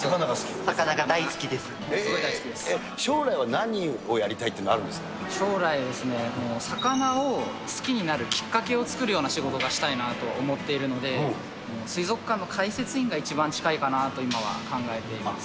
将来は何をやりたいっていう将来ですね、魚を好きになるきっかけを作るような仕事がしたいなと思っているので、水族館の解説員が一番近いかなと、今は考えています。